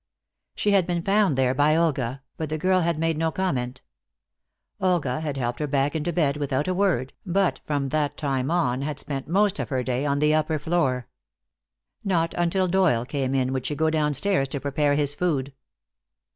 She had been found there by Olga, but the girl had made no comment. Olga had helped her back into bed without a word, but from that time on had spent most of her day on the upper floor. Not until Doyle came in would she go downstairs to prepare his food.